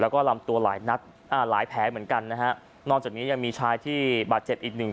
แล้วก็ลำตัวหลายนัดอ่าหลายแผลเหมือนกันนะฮะนอกจากนี้ยังมีชายที่บาดเจ็บอีกหนึ่ง